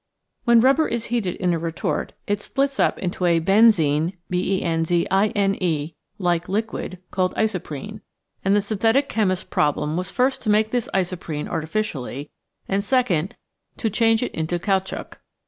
When rubber is heated in a retort it splits up into a benzine like liquid called "isoprene," and the synthetic chemist's problem was first to make this isoprene artificially and second to change it into caoutchouc.